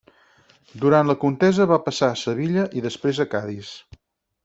Durant la contesa va passar a Sevilla i després a Cadis.